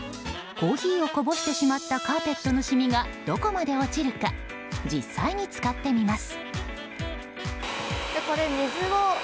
コーヒーをこぼしてしまったカーペットのシミがどこまで落ちるか実際に使ってみます。